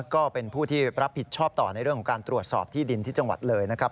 ก็เป็นผู้ที่รับผิดชอบต่อในเรื่องของการตรวจสอบที่ดินที่จังหวัดเลยนะครับ